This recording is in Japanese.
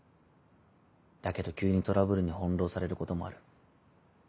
だけど急にトラブルに翻弄されることもある。